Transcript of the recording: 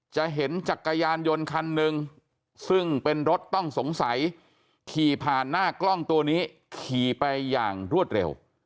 จะเห็นจักรยานยนต์คันหนึ่งซึ่งเป็นรถต้องสงสัยขี่ผ่านหน้ากล้องตัวนี้ขี่ไปอย่างรวดเร็ว